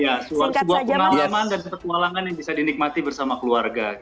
ya sebuah pengalaman dan ketualangan yang bisa dinikmati bersama keluarga